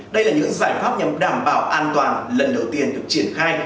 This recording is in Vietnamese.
đây là những giải pháp nhằm đảm bảo an toàn lần đầu tiên được triển khai